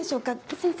先生。